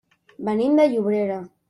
Venim de Llobera.